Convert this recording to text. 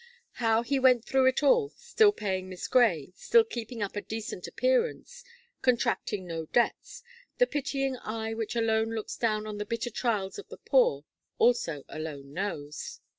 How he went through it all, still paying Miss Gray, still keeping up a decent appearance, contracting no debts, the pitying eye which alone looks down on the bitter trials of the poor, also alone knows.